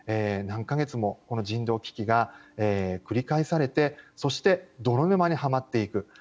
何か月もこの人道危機が繰り返されてそして泥沼にはまっていく。